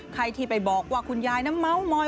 ใครที่ไปบอกว่าคุณยายน้ำเมามอย